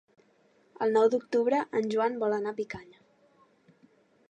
El nou d'octubre en Joan vol anar a Picanya.